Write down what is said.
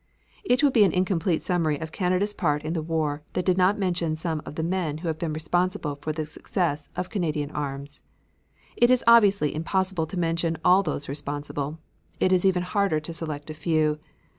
It would be an incomplete summary of Canada's part in the war that did not mention some of the men who have been responsible for the success of Canadian arms. It is obviously impossible to mention all of those responsible; it is even harder to select a few.